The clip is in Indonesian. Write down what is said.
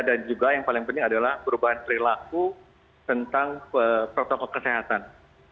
dan juga yang paling penting adalah perubahan perilaku tentang protokol kesehatan